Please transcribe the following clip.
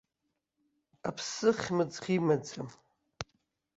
Аԥсы хьымӡӷ имаӡам.